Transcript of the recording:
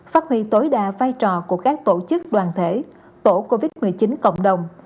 phát huy tối đa vai trò của các tổ chức đoàn thể tổ covid một mươi chín cộng đồng